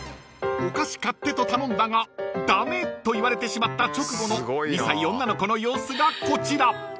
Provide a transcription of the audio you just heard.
［お菓子買ってと頼んだが駄目と言われてしまった直後の２歳女の子の様子がこちら］